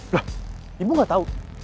lah ibu gak tau